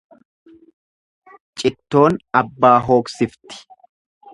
Cittoon abbaa hooksifti.